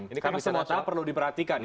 ini karena semota perlu diperhatikan